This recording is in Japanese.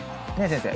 先生。